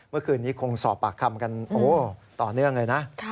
เมื่อคืนนี้คงสอบปากคำกันต่อเนื่องเลยนะ